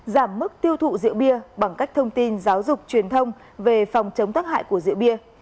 giảm mức tiêu thụ rượu bia bằng cách thông tin giáo dục truyền thông về phòng chống tắc hại của rượu bia